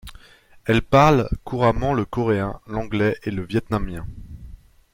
Elle parle couramment le coréen, l'anglais et le vietnamien.